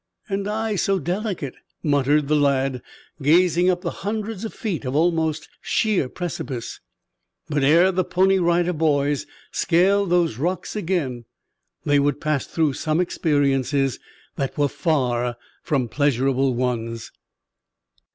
"And I so delicate!" muttered the lad, gazing up the hundreds of feet of almost sheer precipice. But ere the Pony Rider Boys scaled those rocks again they would pass through some experiences that were far from pleasurable ones.